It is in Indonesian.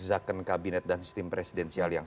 zakon kabinet dan sistem presidensial yang